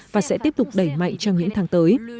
và sẽ tiếp tục đẩy mạnh trong những tháng tới